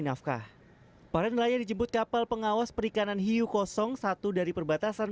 nafkah para nelayan dijemput kapal pengawas perikanan hiu kosong satu dari perbatasan